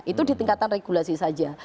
itu di tingkatan regulasi saja